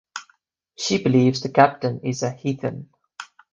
She believes the Captain is a heathen.